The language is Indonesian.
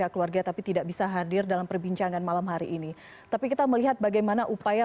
keluarga tapi tidak bisa hadir dalam perbincangan malam hari ini tapi kita melihat bagaimana upaya